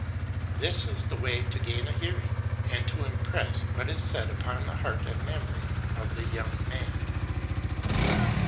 This is the way to gain a hearing and to impress what is said upon the heart and memory of the young man.